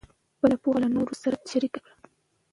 خپله پوهه له نورو سره شریک کړئ.